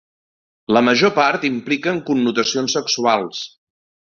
La major part impliquen connotacions sexuals.